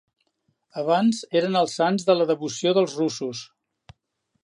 Abans eren els sants de la devoció dels russos.